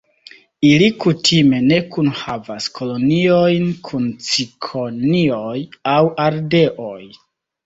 Ili kutime ne kunhavas koloniojn kun cikonioj aŭ ardeoj.